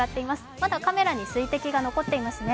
まだカメラに水滴が残ってますね。